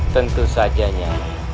tentu saja nya